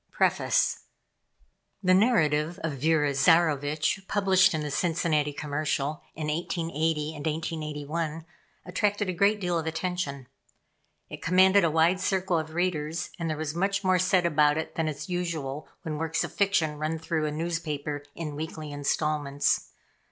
PREFACE. The narrative of Vera Zarovitch, published in the Cincinnati Commercial in 1880 and 1881, attracted a great deal of attention. It commanded a wide circle of readers, and there was much more said about it than is usual when works of fiction run through a newspaper in weekly installments.